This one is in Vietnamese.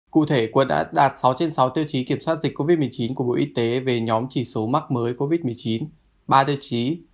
cụ thể quận đã đạt sáu trên sáu tiêu chí kiểm soát dịch covid một mươi chín của bộ y tế về nhóm chỉ số mắc mới covid một mươi chín ba tiêu chí